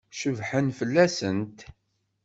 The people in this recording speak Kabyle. Cebḥen fell-asent?